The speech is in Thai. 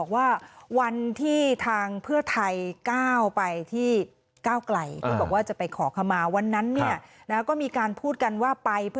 ว่าวันที่ทางเพื่อไทยเข้าไปที่เก้าไกล